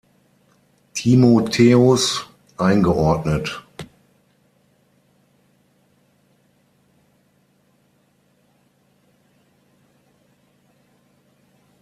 Timotheus eingeordnet.